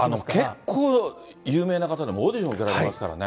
結構有名な方でもオーディション受けられてますからね。